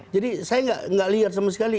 jadi saya nggak lihat sama sekali